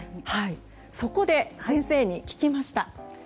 そこで、先生に聞きました。